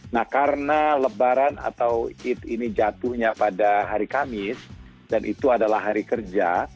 nah karena lebaran atau it ini jatuhnya pada hari kamis dan itu adalah hari kerja